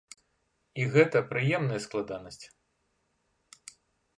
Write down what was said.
І гэта прыемная складанасць.